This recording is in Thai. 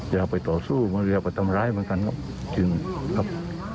อย่าไปต่อสู้หรือว่าทำร้ายเหมือนกันครับ